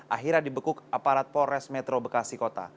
akhirnya dibekuk aparat polres metro bekasi kota